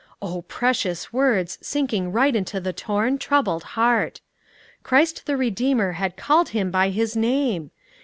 Oh, precious words, sinking right into the torn, troubled heart. Christ the Redeemer had called him by his name!